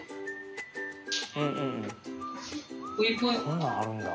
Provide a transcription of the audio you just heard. こんなんあるんだ。